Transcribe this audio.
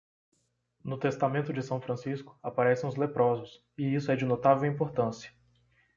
No Testamento de São Francisco, aparecem os leprosos, e isso é de notável importância.